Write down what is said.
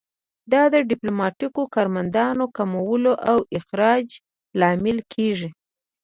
دا د ډیپلوماتیکو کارمندانو کمولو او اخراج لامل کیږي